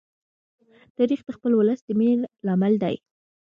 تاریخ د خپل ولس د مینې لامل دی.